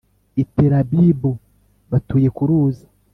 i Telabibu batuye ku ruzi